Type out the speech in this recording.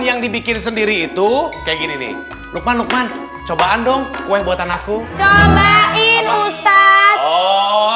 yang dibikin sendiri itu kayak gini gas zusammen dong kue buatan aku cobain ustaz oh